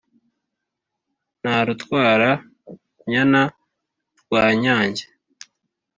na rutwara-nyana rwa nyange